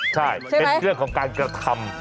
ใช่เป็นเรื่องของการกระทำ